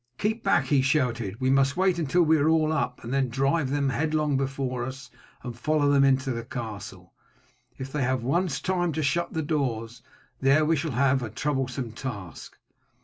"Keep back!" he shouted; "we must wait until we are all up, and then drive them headlong before us and follow them into the castle. If they have once time to shut the doors there we shall have a troublesome task."